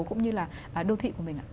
cũng như là đô thị